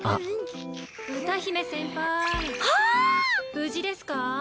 ・無事ですか？